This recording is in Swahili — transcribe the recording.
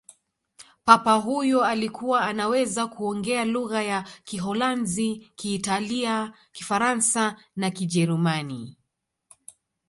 papa huyo alikuwa anaweza kuongea lugha ya kiholanzi kiitalia kifaransa na kijerumani